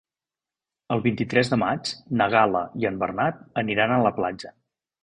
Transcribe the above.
El vint-i-tres de maig na Gal·la i en Bernat aniran a la platja.